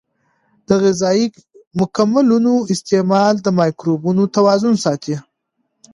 د غذایي مکملونو استعمال د مایکروبونو توازن ساتي.